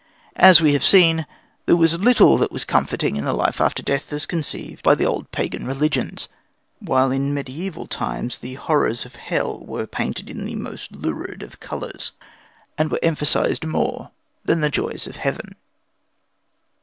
As we have seen, there was little that was comforting in the life after death as conceived by the old pagan religions, while in medieval times the horrors of hell were painted in the most lurid colours, and were emphasized more than the joys of heaven.